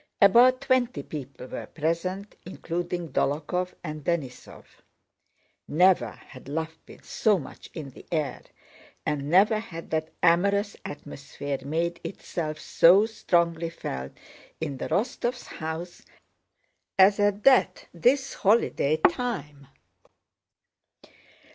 About twenty people were present, including Dólokhov and Denísov. Never had love been so much in the air, and never had the amorous atmosphere made itself so strongly felt in the Rostóvs' house as at this holiday time.